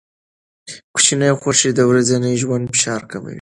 کوچني خوښۍ د ورځني ژوند فشار کموي.